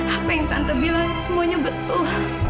apa yang tante bilang semuanya betul